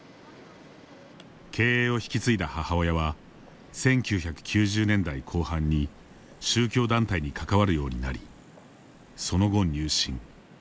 経営を引き継いだ母親は１９９０年代後半に宗教団体に関わるようになり、その後、入信。